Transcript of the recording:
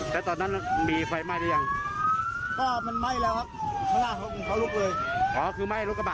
แล้วตอนนั้นมีคนเจ็บไหม